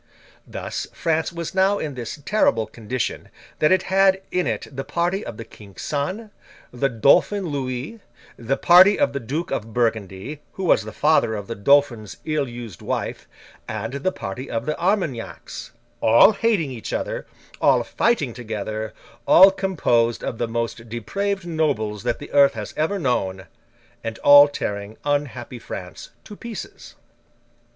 Thus, France was now in this terrible condition, that it had in it the party of the King's son, the Dauphin Louis; the party of the Duke of Burgundy, who was the father of the Dauphin's ill used wife; and the party of the Armagnacs; all hating each other; all fighting together; all composed of the most depraved nobles that the earth has ever known; and all tearing unhappy France to pieces.